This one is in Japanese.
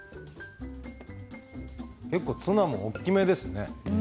ツナも大きめですね。